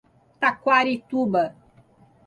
Taquarituba